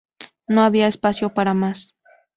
No había espacio para más.